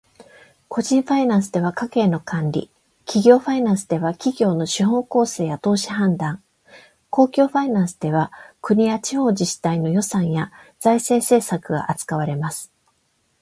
個人ファイナンスでは家計の管理、企業ファイナンスでは企業の資本構成や投資判断、公共ファイナンスでは国や地方自治体の予算や財政政策が扱われます。